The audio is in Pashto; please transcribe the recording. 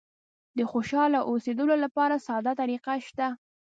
د خوشاله اوسېدلو لپاره ساده طریقه شته.